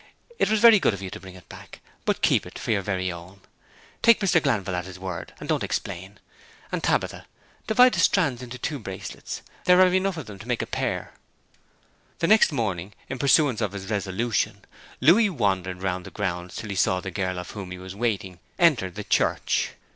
'It was very good of you to bring it back. But keep it for your very own. Take Mr. Glanville at his word, and don't explain. And, Tabitha, divide the strands into two bracelets; there are enough of them to make a pair.' The next morning, in pursuance of his resolution, Louis wandered round the grounds till he saw the girl for whom he was waiting enter the church.